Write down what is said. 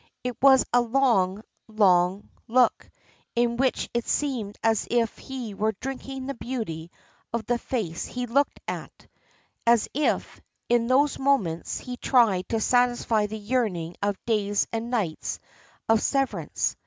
It was a long, long look, in which it seemed as if he were drinking the beauty of the face he looked at, as if, in those moments, he tried to satisfy the yearning of days and nights of severance.